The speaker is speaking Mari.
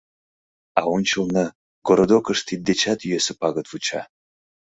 А ончылно городокыш тиддечат йӧсӧ пагыт вуча.